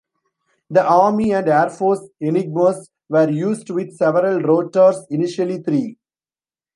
The Army and Air Force Enigmas were used with several rotors, initially three.